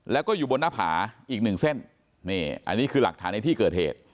แล้วก็อยู่บนหน้าผาอีกหนึ่งเส้นนี่อันนี้คือหลักฐานในที่เกิดเหตุ